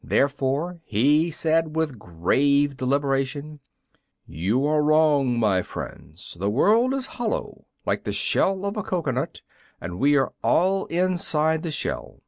Therefore he said, with grave deliberation, "You are wrong, my friends. The world is hollow, like the shell of a cocoanut, and we are all inside the shell.